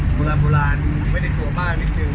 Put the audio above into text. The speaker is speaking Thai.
โบราณโบราณไม่ได้กลัวบ้างนิดหนึ่ง